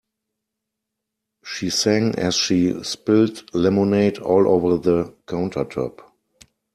She sang as she spilled lemonade all over the countertop.